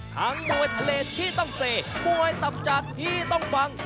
มวยทะเลที่ต้องเซมวยตับจากที่ต้องฟัง